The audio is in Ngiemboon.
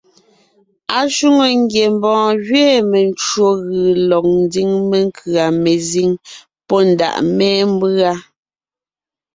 Ashwòŋo ngiembɔɔn gẅiin mencwò gʉ̀ lɔg ńdiŋ menkʉ̀a mezíŋ pɔ́ ndàʼ mémbʉa.